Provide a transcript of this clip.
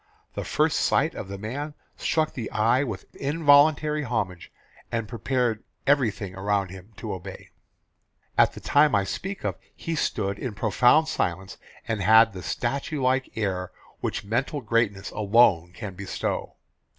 The first sight of the man struck the eye with involuntary homage and prepared everything around him to obey. "At the time I speak of he stood in profound silence and had the statue like air which mental greatness alone can bestow.